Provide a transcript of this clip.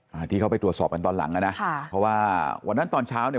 อ่าที่เขาไปตรวจสอบกันตอนหลังอ่ะนะค่ะเพราะว่าวันนั้นตอนเช้าเนี่ย